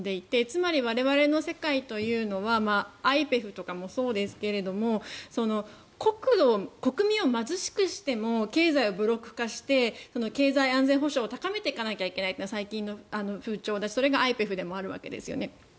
つまり我々の世界というのはＩＰＥＦとかもそうですが国民を貧しくしても経済をブロック化して経済安全保障を高めていかなきゃいけないというのが最近の風潮だし、それがＩＰＥＦでもあるわけですよね。